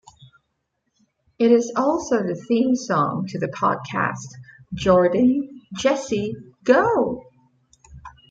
It is also the theme song to the podcast "Jordan, Jesse, Go!".